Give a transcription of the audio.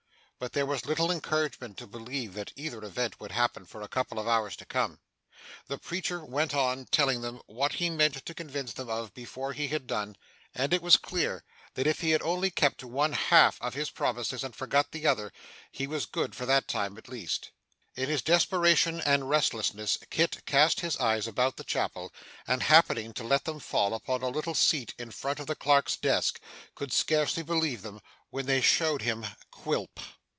But there was little encouragement to believe that either event would happen for a couple of hours to come. The preacher went on telling them what he meant to convince them of before he had done, and it was clear that if he only kept to one half of his promises and forgot the other, he was good for that time at least. In his desperation and restlessness Kit cast his eyes about the chapel, and happening to let them fall upon a little seat in front of the clerk's desk, could scarcely believe them when they showed him Quilp!